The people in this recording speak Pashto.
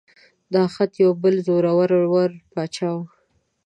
دا خط د یو بل زوره ور باچا و.